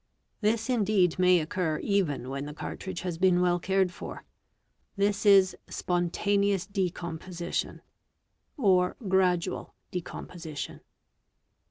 This indeed may occur even when the cart ~ ridge has been well cared for; this is "spontaneous decomposition '', or "oradual decomposition'.